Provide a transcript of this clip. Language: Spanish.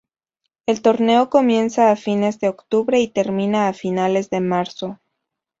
El torneo comienza a fines de octubre y termina a finales de marzo.